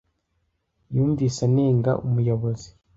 Yumvise anenga umuyobozi.